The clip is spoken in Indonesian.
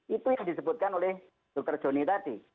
itu yang disebutkan oleh dr joni tadi